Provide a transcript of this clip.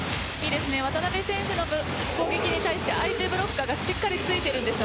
渡邊選手の攻撃に対して相手ブロッカーがしっかりついているんです。